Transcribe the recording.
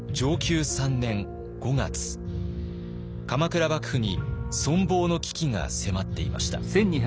鎌倉幕府に存亡の危機が迫っていました。